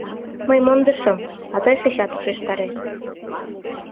Мый мондышым, а тый шычат ушештаре.